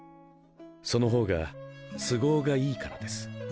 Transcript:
そのほうが都合がいいからです